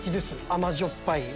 甘じょっぱい。